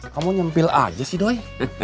kamu nyempil aja sih doy